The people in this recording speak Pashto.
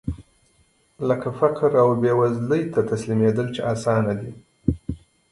لکه فقر او بېوزلۍ ته تسليمېدل چې اسانه دي.